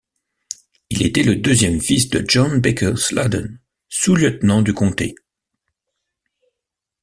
Il était le deuxième fils de John Baker Sladen, sous-lieutenant du comté.